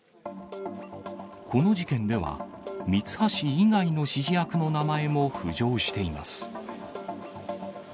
この事件では、ミツハシ以外の指示役の名前も浮上しています。